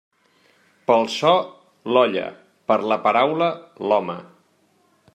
Pel so, l'olla; per la paraula, l'home.